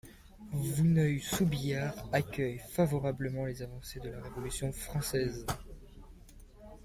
Vouneuil-sous-Biard accueille favorablement les avancées de la Révolution française.